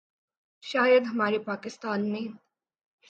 شاید ہمارے پاکستان میں